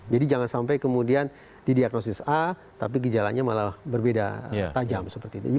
jadi jangan sampai kemudian di diagnosis a tapi gejalanya malah berbeda tajam seperti itu